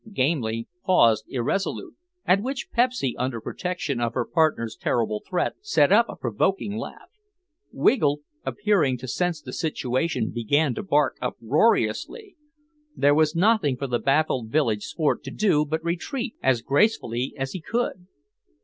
Gamely paused irresolute, at which Pepsy, under protection of her partner's terrible threat, set up a provoking laugh. Wiggle, appearing to sense the situation, began to bark uproariously. There was nothing for the baffled village sport to do but retreat as gracefully as he could.